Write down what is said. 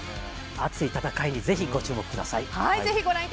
熱い戦いにぜひご注目ください。